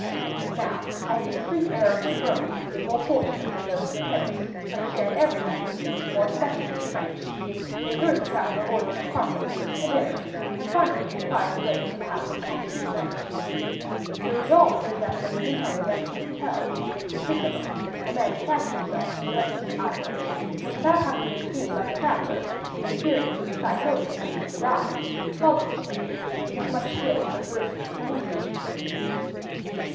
Now, as these street Arabs of Rome, more fortunate than those of Paris, understand every language, more especially the French, they heard the traveller order an apartment, a dinner, and finally inquire the way to the house of Thomson & French. The result was that when the new comer left the hotel with the cicerone, a man detached himself from the rest of the idlers, and without having been seen by the traveller, and appearing to excite no attention from the guide, followed the stranger with as much skill as a Parisian police agent would have used.